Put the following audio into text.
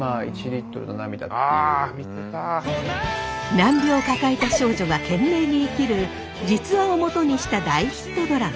難病を抱えた少女が懸命に生きる実話をもとにした大ヒットドラマ。